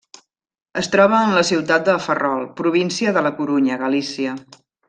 Es troba en la ciutat de Ferrol, província de La Corunya, Galícia.